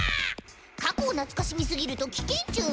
過去を懐かしみすぎると危険チュン。